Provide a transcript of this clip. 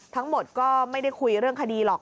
ทั้งหมดก็ไม่ได้คุยเรื่องคดีหรอก